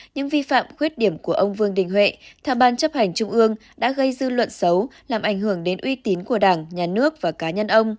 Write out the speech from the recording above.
những vi phạm khuyết điểm của ông vương đình huệ tham ban chấp hành trung ương đã gây dư luận xấu làm ảnh hưởng đến uy tín của đảng nhà nước và cá nhân ông